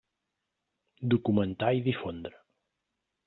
Documentar i difondre.